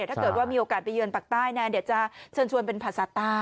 ถ้าเกิดว่ามีโอกาสไปเยือนปากใต้นะเดี๋ยวจะเชิญชวนเป็นภาษาใต้